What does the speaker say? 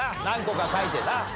何個か書いてな。